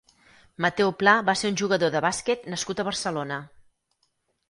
Mateu Pla va ser un jugador de bàsquet nascut a Barcelona.